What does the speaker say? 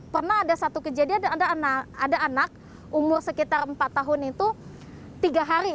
pernah ada satu kejadian dan ada anak umur sekitar empat tahun itu tiga hari